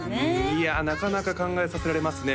いやなかなか考えさせられますね